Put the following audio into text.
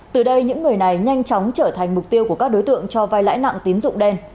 từ đây những người này nhanh chóng trở thành mục tiêu của các đối tượng cho vai lãi nặng tín dụng đen